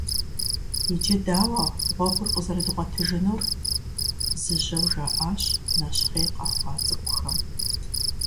«Иджы дауэ гъуэгур къызэрыдгъуэтыжынур?» - зыжьэу жаӀащ нэщхъей къэхъуа цӀыкӀухэм.